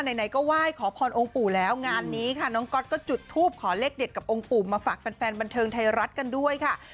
ไหนก็ไหว้ขอพรองค์ปู่แล้วงานนี้ค่ะน้องก๊อตก็จุดทูปขอเลขเด็ดกับองค์ปู่มาฝากแฟนบันเทิงไทยรัฐกันด้วยค่ะ